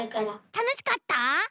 たのしかった？